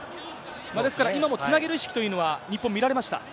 ですから、今もつなげる意識というのは日本、見られました。